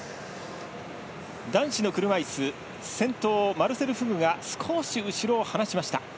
男子の車いす先頭、マルセル・フグが少し後ろを離しました。